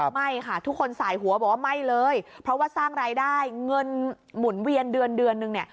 ไม่ค่ะทุกคนสายหัวบอกว่าไม่เลยเพราะว่าสร้างรายได้เงินหมุนเวียนเดือนเดือนนึงเนี่ย